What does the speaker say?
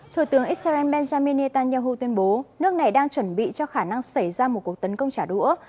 thủ tướng israel benjamin netanyahu tuyên bố nước này đang chuẩn bị cho khả năng xảy ra một cuộc tấn công trả đũa